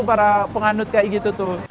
para penganut kayak gitu tuh